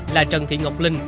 là trần thị ngọc linh